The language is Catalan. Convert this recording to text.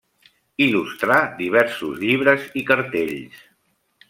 Il·lustrà diversos llibres i cartells.